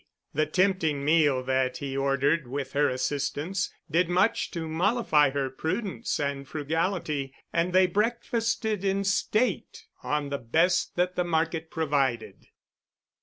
The tempting meal that he ordered with her assistance, did much to mollify her prudence and frugality and they breakfasted in state on the best that the market provided.